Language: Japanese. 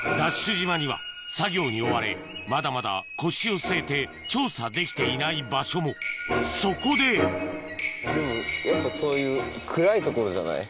島には作業に追われまだまだ腰を据えて調査できていない場所もそこででもやっぱそういう暗い所じゃない？